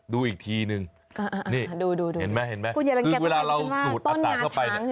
ดูอีกทีนึงนี่เห็นมั้ยคือเวลาเราสูดอัต่างเข้าไป